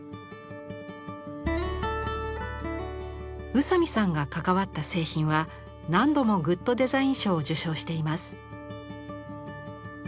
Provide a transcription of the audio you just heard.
宇佐美さんが関わった製品は何度もグッドデザイン賞を受賞しています。